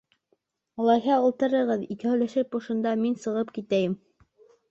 Улайһа, ултырығыҙ икәүләшеп ошонда, мин сығып китәйем!